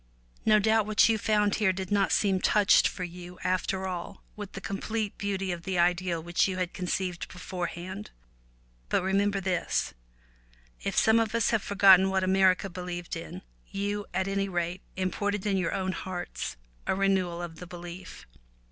No doubt what you found here did not seem touched for you. after all, with the complete beauty of the ideal which you had conceived beforehand. But remember this, if some of us have forgotten what America believed in, you, at any rate, imported in your own hearts a renewal of the belief.